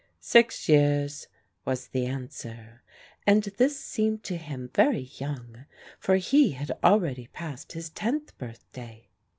"Six years," was the answer, and this seemed to him very young, for he had already passed his tenth birthday.